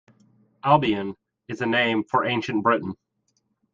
Albion is a name for Ancient Britain.